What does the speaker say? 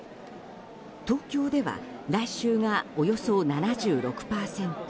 東京では来週がおよそ７６％